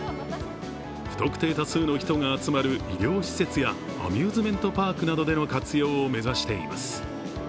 不特定多数の人が集まる医療施設やアミューズメントパークなどでの活用を目指しています。